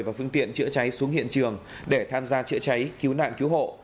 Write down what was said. và phương tiện chữa cháy xuống hiện trường để tham gia chữa cháy cứu nạn cứu hộ